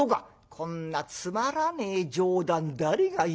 「こんなつまらねえ冗談誰が言いますか」。